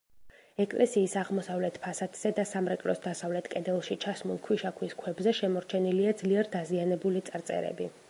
ეკლესიის აღმოსავლეთ ფასადზე და სამრეკლოს დასავლეთ კედელში ჩასმულ ქვიშაქვის ქვებზე შემორჩენილია ძლიერ დაზიანებული წარწერები.